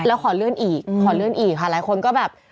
แล้วขอเลื่อนอีกค่ะหลายคนก็แบบ